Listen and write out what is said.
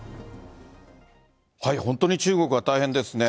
本当に中国は大変ですね。